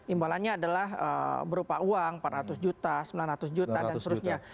imbalannya adalah berupa uang empat ratus juta sembilan ratus juta dan seterusnya